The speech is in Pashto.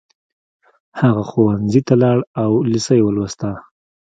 هغه ښوونځي ته لاړ او لېسه يې ولوسته.